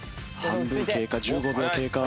半分経過１５秒経過。